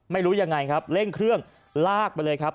ไม่รู้ยังไงครับเร่งเครื่องลากไปเลยครับ